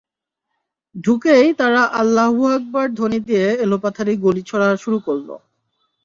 ঢুকেই তাঁরা আল্লাহু আকবার ধ্বনি দিয়ে এলোপাতাড়ি গুলি ছোড়া শুরু করে।